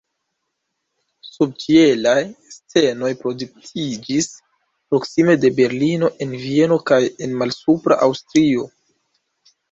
Subĉielaj scenoj produktiĝis proksime de Berlino, en Vieno kaj en Malsupra Aŭstrio.